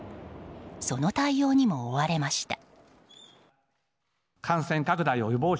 その対応にも追われました。